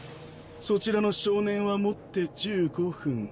そちらの少年はもって１５分。